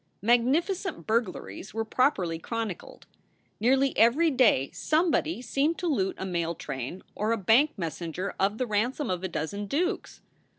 Magnificent burglaries were properly chronicled. Nearly every day somebody seemed to loot a mail train or a bank messenger of the ransom of a dozen dukes.